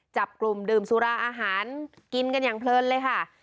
จับกลุ่มดื่มสุราอาหารกินกันอย่างเพลินเลยค่ะ